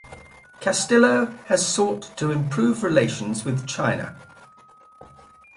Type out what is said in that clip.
Castillo has sought to improve relations with China.